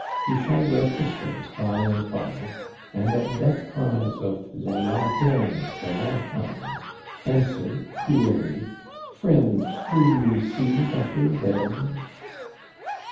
He shall wear pistols by and by; and at death cries of "La lanterne, The Lamp iron!" answer coolly, "Friends, will you see better there?"